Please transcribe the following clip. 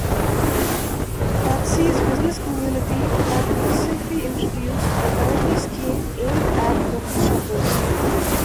Pudsey's business community have recently introduced a Loyalty Scheme, aimed at local shoppers.